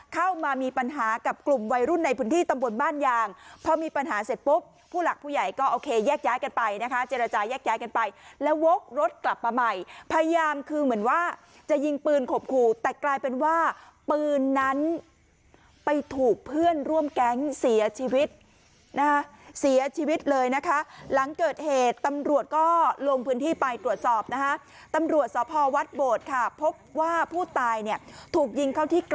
เข้ามามีปัญหากับกลุ่มวัยรุ่นในพื้นที่ตำบลบ้านยางเพราะมีปัญหาเสร็จปุ๊บผู้หลักผู้ใหญ่ก็โอเคแยกย้ายกันไปนะคะเจรจายแยกย้ายกันไปแล้วโว๊ครถกลับมาใหม่พยายามคือเหมือนว่าจะยิงปืนขบขู่แต่กลายเป็นว่าปืนนั้นไปถูกเพื่อนร่วมแก๊งเสียชีวิตนะเสียชีวิตเลยนะคะหลังเกิดเหตุตำรวจก็ลงพื้นที่